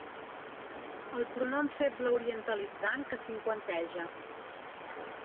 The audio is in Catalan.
El pronom feble orientalitzant que cinquanteja.